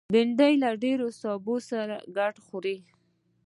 بېنډۍ له ډېرو سبو سره ګډ خوري